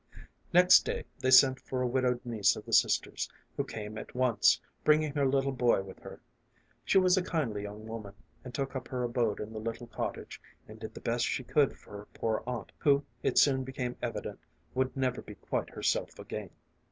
Next day they sent for a widowed niece of the sisters, who came at once, bringing her little boy with her. She was a kindly young woman, and took up her abode in the little cottage, and did the best she could for her poor aunt, who, it soon became evident, would never be quite herself again.